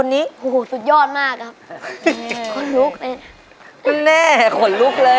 สุดยอดมาก